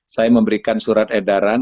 saya memberikan surat edaran